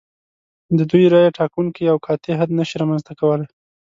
د دوی رایې ټاکونکی او قاطع حد نشي رامنځته کولای.